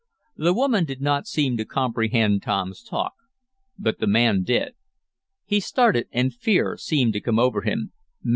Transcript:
The woman did not seem to comprehend Tom's talk, but the man did. He started, and fear seemed to come over him.